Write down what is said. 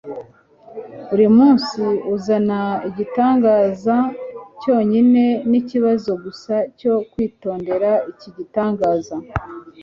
buri munsi uzana igitangaza cyonyine ni ikibazo gusa cyo kwitondera iki gitangaza